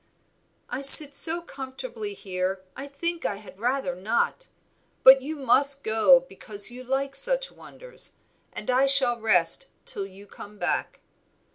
"I sit so comfortably here I think I had rather not. But you must go because you like such wonders, and I shall rest till you come back."